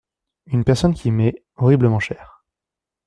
Une personne qui m'est … horriblement chère.